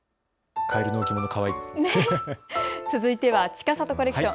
続いては、ちかさとコレクション。